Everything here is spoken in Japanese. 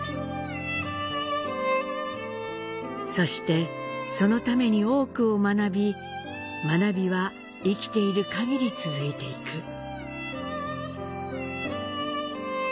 そしてそのために多くを学び、学びは生きている限り続いていく。